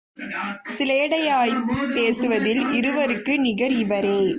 சிலேடையாய்ப் பேசுவதில் இவருக்கு நிகர் இவரே.